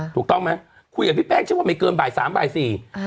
ถูกต้องไหมคุยกับพี่แป้งเชื่อว่าไม่เกินบ่ายสามบ่ายสี่